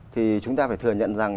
thì chúng ta phải thừa nhận rằng